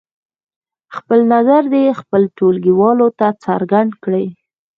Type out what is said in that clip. خپل نظر دې خپلو ټولګیوالو ته څرګند کړي.